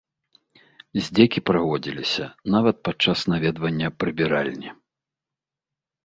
Здзекі праводзіліся нават пад час наведвання прыбіральні.